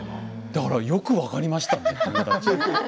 だからよく分かりましたね。